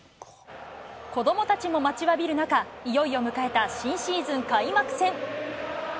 子どもたちも待ちわびる中、いよいよ迎えた新シーズン開幕戦。